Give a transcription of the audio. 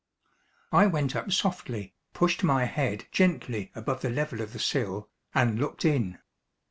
I went up softly, pushed my head gently above the level of the sill, and looked in.